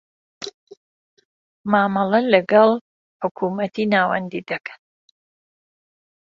مامەڵە لەکەڵ حکومەتی ناوەندی دەکەن.